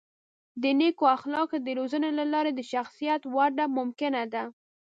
د نیکو اخلاقو د روزنې له لارې د شخصیت وده ممکنه ده.